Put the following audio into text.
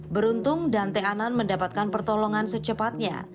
beruntung dante anan mendapatkan pertolongan secepatnya